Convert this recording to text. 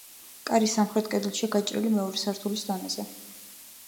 კარი სამხრეთ კედელშია გაჭრილი მეორე სართულის დონეზე.